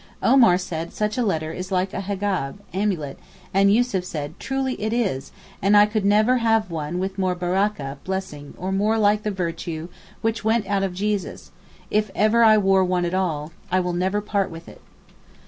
Omar said such a letter is like a hegab (amulet) and Yussuf said, 'Truly it is, and I could never have one with more baraka (blessing) or more like the virtue which went out of Jesus, if ever I wore one at all; I will never part with it.